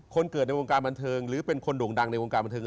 เกิดในวงการบันเทิงหรือเป็นคนโด่งดังในวงการบันเทิง